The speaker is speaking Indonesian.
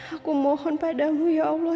aku mohon padamu ya allah